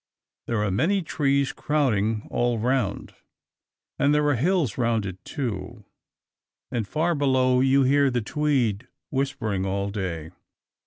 There are many trees crowding all round, and there are hills round it too; and far below you hear the Tweed whispering all day.